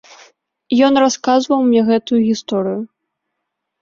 Ён расказваў мне гэтую гісторыю.